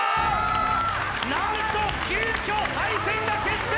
なんと急きょ、対戦が決定！